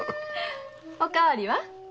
お代わりは？